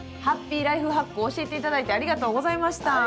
ハッピーライフハックを教えていただいてありがとうございました。